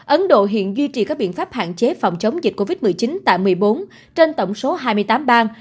ấn độ hiện duy trì các biện pháp hạn chế phòng chống dịch covid một mươi chín tại một mươi bốn trên tổng số hai mươi tám bang